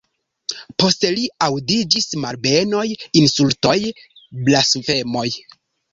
Post li aŭdiĝis malbenoj, insultoj, blasfemoj!